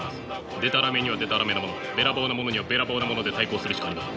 でたらめにはでたらめなものべらぼうなものにはべらぼうなもので対抗するしかありません。